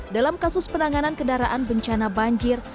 dalam kasus penanganan kendaraan bencana banjir